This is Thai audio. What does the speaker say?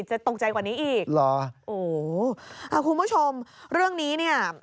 จะตกใจกว่านี้อีกหรอโอ้โหอ่าคุณผู้ชมเรื่องนี้เนี่ย